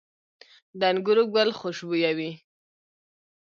د انګورو ګل خوشبويه وي؟